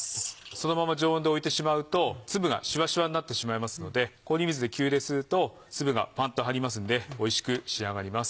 そのまま常温で置いてしまうと粒がシワシワになってしまいますので氷水で急冷すると粒がパンと張りますのでおいしく仕上がります。